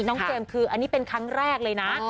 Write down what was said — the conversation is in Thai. เจมส์คืออันนี้เป็นครั้งแรกเลยนะ